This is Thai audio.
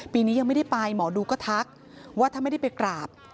ปีนี้ยังไม่ได้ไปหมอดูก็ทักว่าถ้าไม่ได้ไปกราบ